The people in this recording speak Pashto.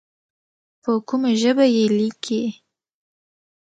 په کومه ژبه یې لیکې.